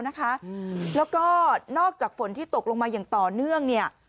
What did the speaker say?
แล้วก็นอกจากฝนที่ตกลงมาอย่างต่อเนื่องเนี่ย